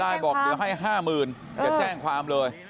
กลับได้บอกเดี๋ยวให้ห้ามืนจะแจ้งความเลย